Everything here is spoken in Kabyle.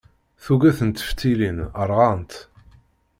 Tuget n teftilin rɣant.